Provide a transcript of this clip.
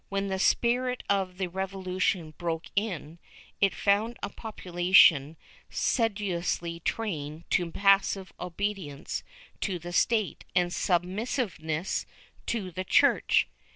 When the spirit of the Revolution broke in, it found a population sedulously trained to passive obedience to the State and submissiveness to the Church.